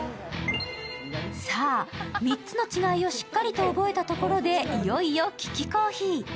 さあ、３つの違いをしっかりと覚えたところでいよいよ利きコーヒー。